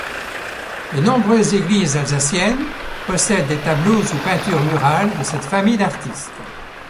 De nombreuses églises alsaciennes possèdent des tableaux ou peintures murales de cette famille d'artistes.